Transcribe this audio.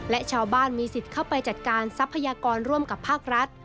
และชาวบ้านมีสิทธิ์เข้าไปจัดการทรัพยากรร่วมกับภาครัฐ